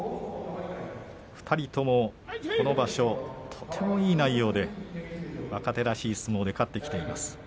２人ともこの場所とてもいい内容で若々しい相撲で勝ってきています。